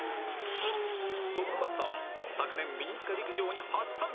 トップバッターは昨年ミニスカ陸上に初参戦